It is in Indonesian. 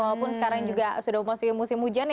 walaupun sekarang juga sudah masuk musim hujan